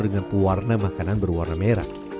dengan pewarna makanan berwarna merah